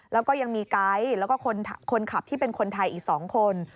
แล้วก็ยังมีไก๊แล้วก็คนขับที่เป็นคนไทยอีก๒คน